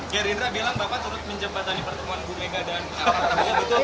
geri indra bilang pak prabowo tanpa pajak ori